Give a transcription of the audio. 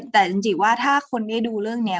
แต่จริงว่าถ้าคนได้ดูเรื่องนี้